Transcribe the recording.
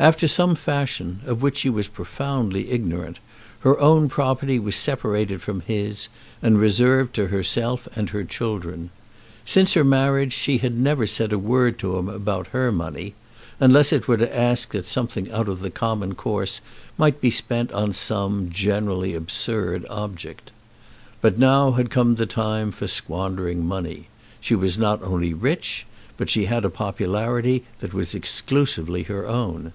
After some fashion, of which she was profoundly ignorant, her own property was separated from his and reserved to herself and her children. Since her marriage she had never said a word to him about her money, unless it were to ask that something out of the common course might be spent on some, generally absurd, object. But now had come the time for squandering money. She was not only rich but she had a popularity that was exclusively her own.